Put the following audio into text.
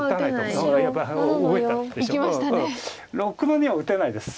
６の二は打てないです。